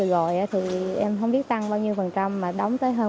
giá điện tăng bốn trăm linh bốn trăm linh mấy giờ nó lên ba mươi